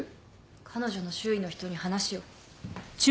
彼女の周囲の人に話を。